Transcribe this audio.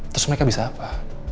terus mereka bisa apa